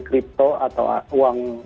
crypto atau uang